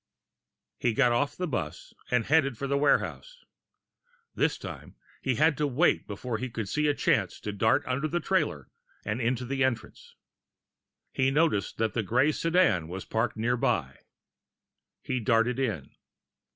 He got off the bus and headed for the warehouse. This time, he had to wait before he could see a chance to dart under the trailer and into the entrance. He noticed that the gray sedan was parked nearby. He darted in.